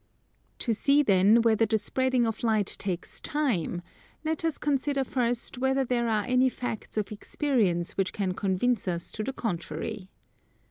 To see then whether the spreading of light takes time, let us consider first whether there are any facts of experience which can convince us to the contrary.